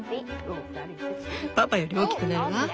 パパより大きくなるわ。